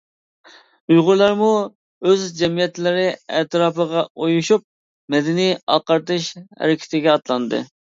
ئۇيغۇرلارمۇ ئۆز جەمئىيەتلىرى ئەتراپىغا ئۇيۇشۇپ، مەدەنىي ئاقارتىش ھەرىكىتىگە ئاتلاندى.